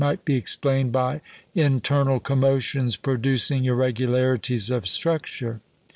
might be explained by internal commotions producing irregularities of structure.